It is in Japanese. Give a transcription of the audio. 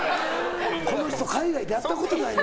この人海外でやったことない。